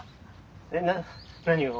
えっ何を？